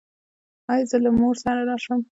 ایا زه له مور سره راشم؟